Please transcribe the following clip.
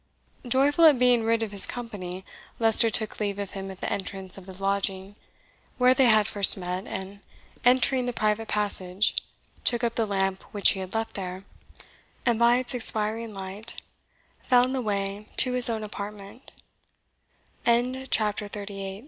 Joyful at being rid of his company, Leicester took leave of him at the entrance of his lodging, where they had first met, and entering the private passage, took up the lamp which he had left there, and by its expiring light found the way to his own apartment. CHAPTER XXXIX.